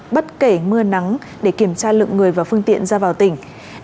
bất kể mưa nắng để kiểm tra lượng người và phương tiện ra vào tỉnh